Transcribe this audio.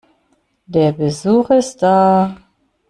Der Besuch ist da.